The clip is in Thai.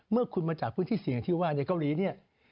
เมื่อคุณมาจากพื้นที่เสี่ยงที่ว่าในเกาหลีเนี่ย